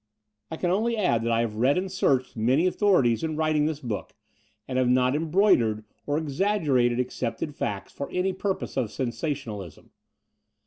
I can only add that I have read and searched many authorities in writing this book, and have not embroidered or exaggerated Foreword 5 ax^cepted facts for any ptarpose of sensationalism.